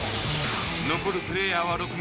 残るプレーヤーは６名。